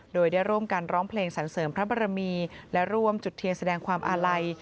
โดยได้ร่วมกันร้องเพลงสรรเสริมพระบรมีและร่วมจุดเทียนแสดงความอาลัย